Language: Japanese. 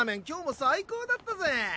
今日も最高だったぜ。